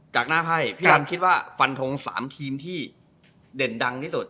จากหน้าไพ่พี่ดันคิดว่าฟันทง๓ทีมที่เด่นดังที่สุด